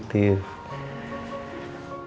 pastikan kapang marah jadi sensitif